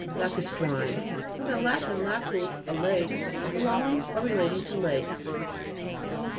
LACU'STRINE fr. lat. locus, a lake. Belonging or relating to lakes.